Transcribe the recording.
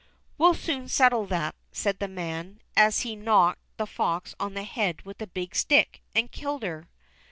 "We'll soon settle that," said the man, and he knocked the fox on the head with a big stick, and killed her.